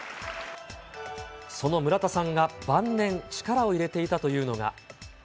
その村田さんが晩年、力を入れていたというのが。